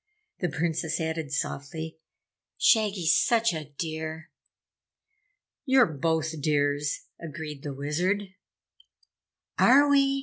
The Princess added softly, "Shaggy's such a dear!" "You're both dears!" agreed the Wizard. "Are we?"